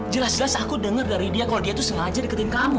jelas jelas aku dengar dari dia kalau dia tuh sengaja deketin kamu